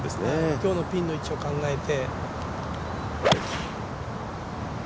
今日のピンの位置を考えて。